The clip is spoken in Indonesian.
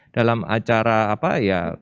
dalam acara apa ya